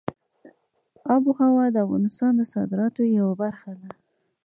آب وهوا د افغانستان د صادراتو یوه برخه ده.